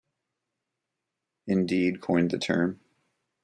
Indeed, coined the term.